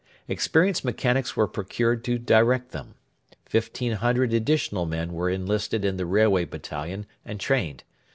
Experienced mechanics were procured to direct them. Fifteen hundred additional men were enlisted in the Railway Battalion and trained.